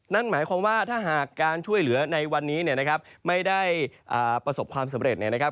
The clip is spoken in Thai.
นั่นหมายความว่าถ้าหากการช่วยเหลือในวันนี้เนี่ยนะครับไม่ได้ประสบความสำเร็จเนี่ยนะครับ